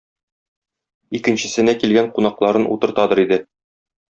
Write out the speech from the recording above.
Икенчесенә килгән кунакларын утыртадыр иде.